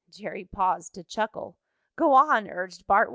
Jerry paused to chuckle. "Go on," urged Bart.